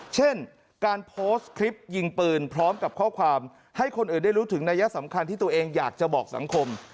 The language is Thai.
เช่นการโพสต์คลิปยิงปืนพร้อมกับข้อความให้คนอื่นได้รู้ถึงนัยสำคัญที่ตัวเองอยากจะบอกสังคม